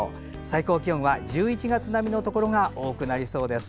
最高気温は１１月並みのところが多くなりそうです。